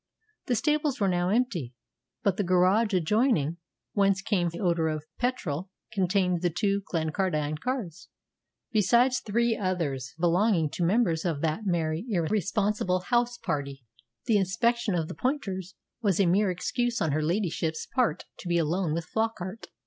The stables were now empty, but the garage adjoining, whence came the odour of petrol, contained the two Glencardine cars, besides three others belonging to members of that merry, irresponsible house party. The inspection of the pointers was a mere excuse on her ladyship's part to be alone with Flockart.